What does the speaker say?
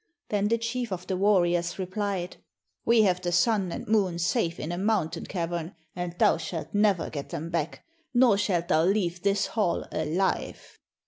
Then the chief of the warriors replied: 'We have the Sun and Moon safe in a mountain cavern, and thou shalt never get them back, nor shalt thou leave this hall alive.'